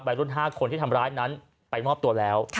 รุ่น๕คนที่ทำร้ายนั้นไปมอบตัวแล้ว